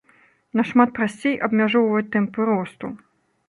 Нашмат прасцей абмяжоўваць тэмпы росту.